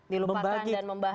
dilupakan dan membahas yang lain